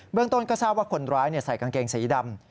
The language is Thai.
เรื่องต้นก็ทราบว่าคนร้ายใส่กางเกงสีดำ